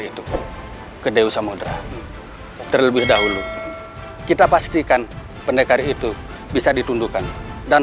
itu ke dewi samudera terlebih dahulu kita pastikan pendekar itu bisa ditundukkan dan